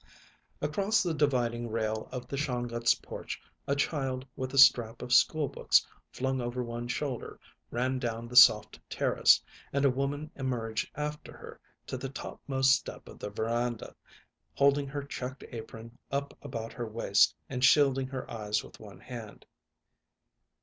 Across the dividing rail of the Shonguts' porch a child with a strap of school books flung over one shoulder ran down the soft terrace, and a woman emerged after her to the topmost step of the veranda, holding her checked apron up about her waist and shielding her eyes with one hand.